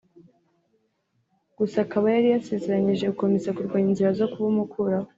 gusa akaba yari yarasezeranyije gukomeza kurwanya inzira zo kubumukuraho